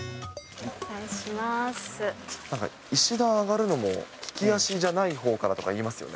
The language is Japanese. なんか石段上がるのも利き足じゃないほうからとかいいますよね。